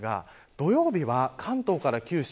土曜日は関東から九州